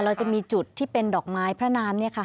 เราจะมีจุดที่เป็นดอกไม้พระนามเนี่ยค่ะ